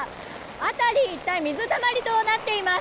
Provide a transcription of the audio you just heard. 辺り一帯水たまりとなっています。